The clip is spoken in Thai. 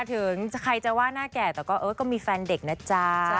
ถึงใครจะว่าหน้าแก่แต่ก็มีแฟนเด็กนะจ๊ะ